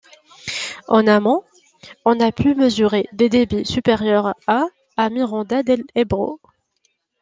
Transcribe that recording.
En amont, on a pu mesurer des débits supérieurs à à Miranda del Ebro.